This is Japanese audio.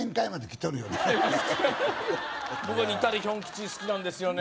僕はにたりひょん吉好きなんですよね